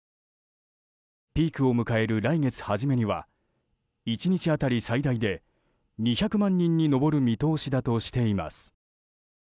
ピークを迎える来月初めには１日当たり最大で２００万人に上る見通しだとしています。